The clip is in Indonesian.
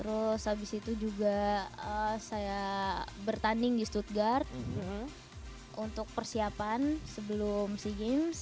terus habis itu juga saya bertanding di stut guard untuk persiapan sebelum sea games